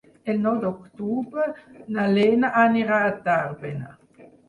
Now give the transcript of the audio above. El nou d'octubre na Lena anirà a Tàrbena.